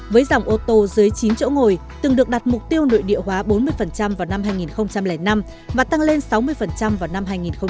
với dòng ô tô dưới chín chỗ ngồi từng được đặt mục tiêu nội địa hóa bốn mươi vào năm hai nghìn năm và tăng lên sáu mươi vào năm hai nghìn một mươi